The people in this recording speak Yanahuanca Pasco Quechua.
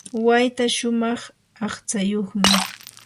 wayta shumaq aqtsayuqmi.